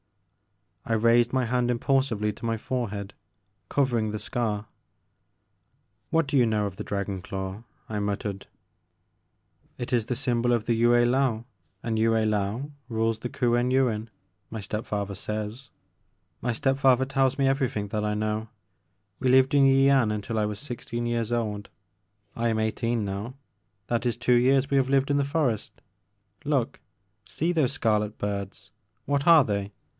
I raised my hand impulsively to my forehead, covering the scar. 50 The Maker of Moons. What do you know of the dragon daw ?" I muttered. It is the S3rmbol of Yue Laou, and Yue Laou rules the Kuen Yuin, my step father says. My step father tells me everything that I know. We lived in Yian until I was sixteen years old. I am eighteen now ; that is two years we have lived in the forest. Look !— see those scarlet birds I What are they?